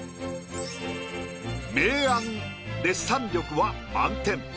明暗デッサン力は満点。